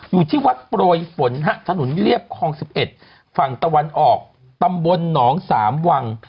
อยู่ที่วัดโปรยฝนฮะถนนเรียบคลอง๑๑ฝั่งตะวันออกตำบลหนอง๓วัง